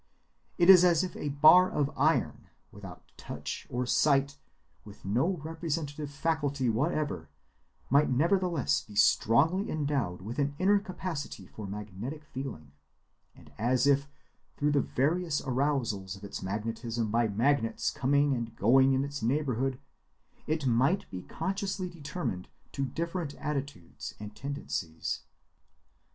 It is as if a bar of iron, without touch or sight, with no representative faculty whatever, might nevertheless be strongly endowed with an inner capacity for magnetic feeling; and as if, through the various arousals of its magnetism by magnets coming and going in its neighborhood, it might be consciously determined to different attitudes and tendencies.